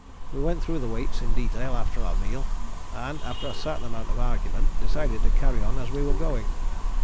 We went through the weights in detail after our meal, and, after a certain amount of argument, decided to carry on as we were going.